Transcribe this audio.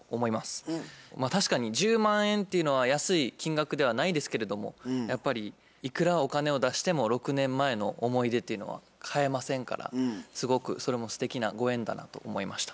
確かに１０万円っていうのは安い金額ではないですけれどもやっぱりいくらお金を出しても６年前の思い出っていうのは買えませんからすごくそれもすてきなご縁だなと思いました。